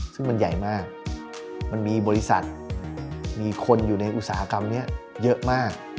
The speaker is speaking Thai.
ซึ่งมันใหญ่มากมันมีบริษัทมีคนอยู่ในอุตสาหกรรมนี้เยอะมาก